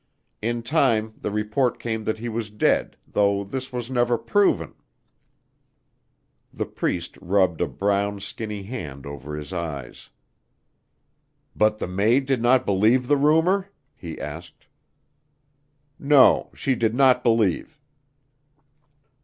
In time the report came that he was dead, though this was never proven." The Priest rubbed a brown skinny hand over his eyes. "But the maid did not believe the rumor?" he asked. "No she did not believe."